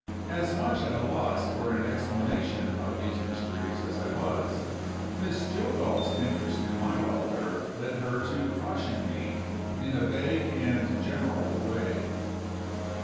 As much at a loss for an explanation of these mysteries as I was, Miss Jillgall's interest in my welfare led her to caution me in a vague and general way.